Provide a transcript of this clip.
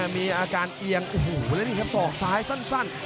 มีอาการเอียงโอ้โหแล้วนี่ครับศอกซ้ายสั้น